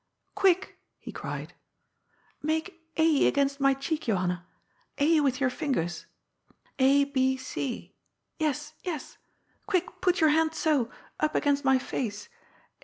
^ Quick !" he cried ;^ make A against my cheek, Johan na. A with your iSngers. A, B, 0. Tes, yes. Quick ! put your hand so, up against my face.